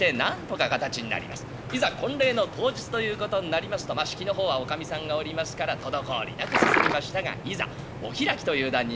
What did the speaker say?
いざ婚礼の当日ということになりますとまあ式の方はおかみさんがおりますから滞りなく進みましたがいざお開きという段になりまして。